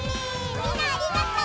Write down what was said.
みんなありがとう！